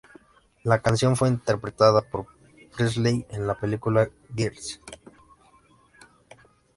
La canción fue interpretada por Presley en la película Girls!